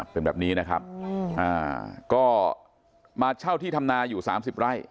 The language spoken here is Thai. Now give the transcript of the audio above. เป็นแบบนี้นะครับก็มาเช่าที่ทำนาอยู่๓๐ไร่